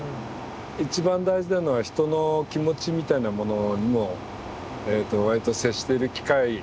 一番大事なのは人の気持ちみたいなものにもわりと接している機会が多い。